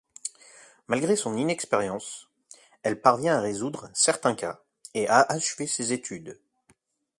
Malgré son inexpérience, elle parvient à résoudre certains cas et à achever ses études.